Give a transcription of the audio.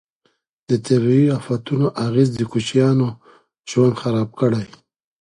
د طبیعي افتونو اغیز د کوچیانو ژوند خراب کړی.